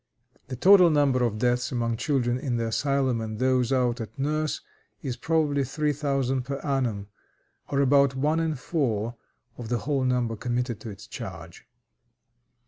The total number of deaths among children in the asylum and those out at nurse is probably three thousand per annum, or about one in four of the whole number committed to its charge.